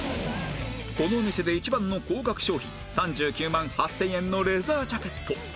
このお店で一番の高額商品３９万８０００円のレザージャケット